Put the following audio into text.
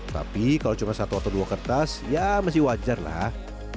tapi kalau cuma satu atau dua kertas ya masih wajar lah